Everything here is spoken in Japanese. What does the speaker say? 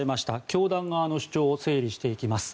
教団側の主張を整理していきます。